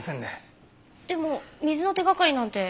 でも水の手掛かりなんて。